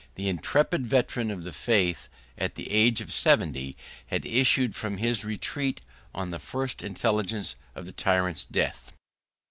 The intrepid veteran of the faith, at the age of seventy, had issued from his retreat on the first intelligence of the tyrant's death.